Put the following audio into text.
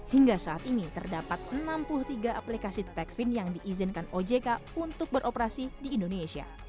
hingga saat ini terdapat enam puluh tiga aplikasi techfin yang diizinkan ojk untuk beroperasi di indonesia